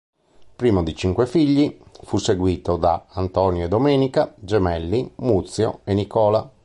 Primo di cinque figli, fu seguito da Antonio e Domenica, gemelli, Muzio e Nicola.